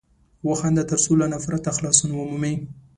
وخانده تر څو له نفرته خلاصون ومومې!